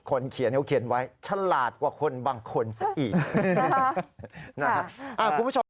คนเขียนเขียนไว้ฉลาดกว่าคนบางคนซะอีก